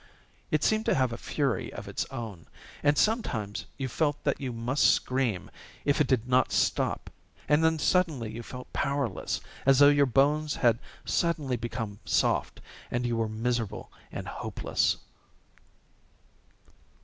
It seemed to have a fury of its own. And sometimes you felt that you must scream if it did not stop, and then suddenly you felt powerless, as though your bones had suddenly become soft; and you were miserable and hopeless.